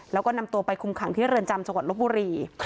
แล้วก็นำตัวไปคุมขังที่เรือนจำจังหวัดลบบุรี